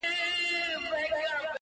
o د اوښ بـارونـه پـــه واوښـتـل ـ